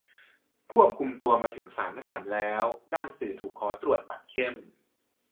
ควบคุมตัวมาถึงศาลทหารแล้ว ด้านสื่อถูกขอตรวจบัตรเข้ม